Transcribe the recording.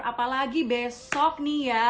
apalagi besok nih ya